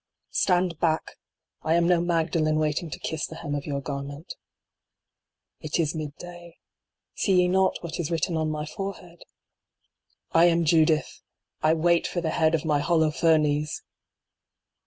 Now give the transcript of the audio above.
III. Stand back ! I am no Magdalene waiting to kiss the hem of your garment It is mid day. See ye not what is written on my forehead ? I am Judith ! I wait for the head of my Holofernes